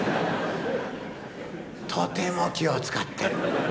とても気を遣ってる。